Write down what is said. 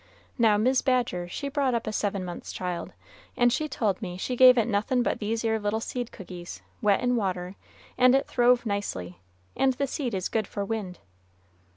Now, Mis' Badger she brought up a seven months' child, and she told me she gave it nothin' but these 'ere little seed cookies, wet in water, and it throve nicely, and the seed is good for wind."